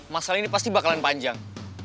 masalah ini pasti bakalan panjang